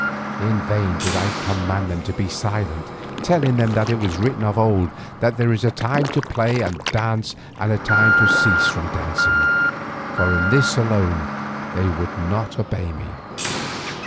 In vain did I command them to be silent, telling them that it was written of old that there is a time to play and dance and a time to cease from dancing, for in this alone they would not obey me.